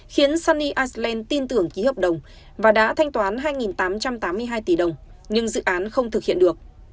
khiến sunny iceland tin tưởng ký hợp đồng và đã thanh toán hai tám trăm tám mươi hai tỷ đồng nhưng dự án không thực hiện được